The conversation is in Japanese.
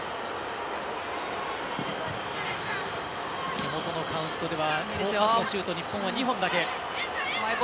手元のカウントでは後半のシュート日本は２本だけ。